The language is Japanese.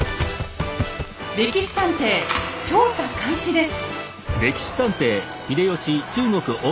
「歴史探偵」調査開始です！